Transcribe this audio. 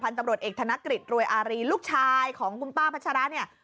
ตำรวจเอกธนกฤษรวยอารีลูกชายของคุณป้าพัชระเนี่ย